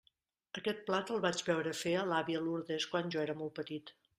Aquest plat el vaig veure fer a l'àvia Lourdes quan jo era molt petit.